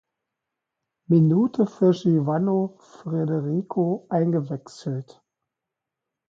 Minute für Giovanni Federico eingewechselt.